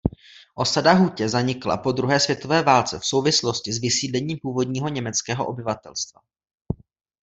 Osada Hutě zanikla po druhé světové válce v souvislosti s vysídlením původního německého obyvatelstva.